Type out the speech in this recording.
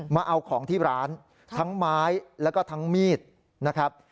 มาเอาของที่ร้านทั้งไม้แล้วก็ทั้งมีดนะครับ